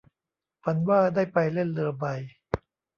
ฝันว่าได้ไปเล่นเรือใบ